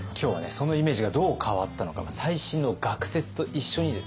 そのイメージがどう変わったのか最新の学説と一緒にですね